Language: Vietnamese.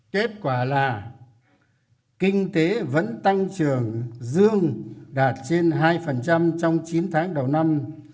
kết quả là kinh tế vẫn tăng trưởng dương đạt trên hai trong chín tháng đầu năm